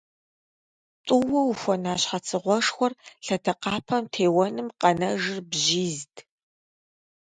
ТӀууэ ухуэна щхьэцыгъуэшхуэр лъэдакъэпэм теуэным къэнэжыр бжьизт.